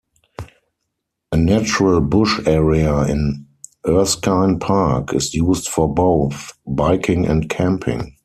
A natural bush area in Erskine Park is used for both biking and camping.